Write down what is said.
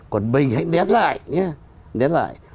còn mình hãy nén lại